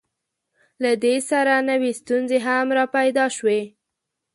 له دې سره نوې ستونزې هم راپیدا شوې.